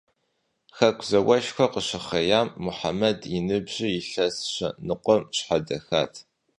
Хэку зауэшхуэр къыщыхъеям, Мухьэмэд и ныбжьыр илъэс щэ ныкъуэм щхьэдэхат.